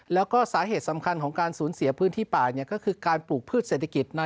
แล้วก็สาเหตุสำคัญของการสูญเสียพื้นที่ป่าก็คือการปลูกพืชเศรษฐกิจ